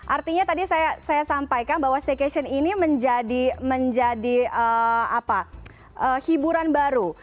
artinya tadi saya sampaikan bahwa staycation ini menjadi hiburan baru